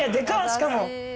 しかも。